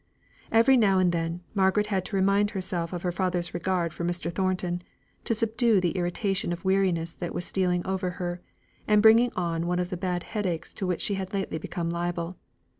Every now and then, Margaret had to remind herself of her father's regard for Mr. Thornton, to subdue the irritation of weariness that was stealing over her, and bringing on one of the bad headaches to which she had lately become liable.